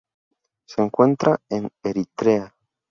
Se encuentra en Eritrea.